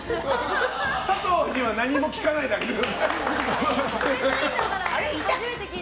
佐藤君には何も聞かないであげてください。